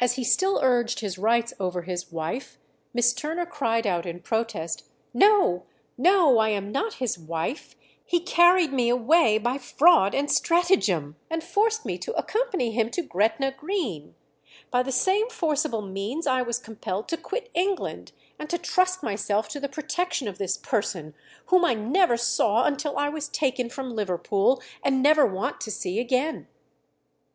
As he still urged his rights over his wife, Miss Turner cried out in protest, "No, no, I am not his wife; he carried me away by fraud and stratagem, and forced me to accompany him to Gretna Green.... By the same forcible means I was compelled to quit England, and to trust myself to the protection of this person, whom I never saw until I was taken from Liverpool, and never want to see again."